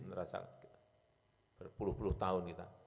merasa berpuluh puluh tahun kita